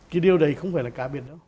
cái điều đấy không phải là ca biệt đâu